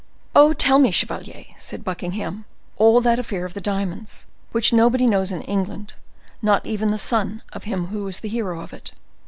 "Oh! tell me, chevalier," said Buckingham, "all that affair of the diamonds, which nobody knows in England, not even the son of him who was the hero of it."